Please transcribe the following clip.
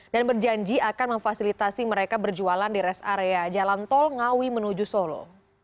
dan berjanji akan memfasilitasi mereka berjualan di rest area jalan tol ngawi menuju solo